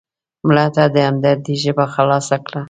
مړه ته د همدردۍ ژبه خلاصه کړه